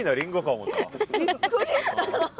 びっくりしたな。